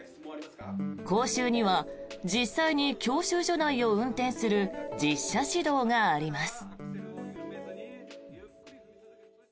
講習には実際に教習所内を運転する実車指導があります。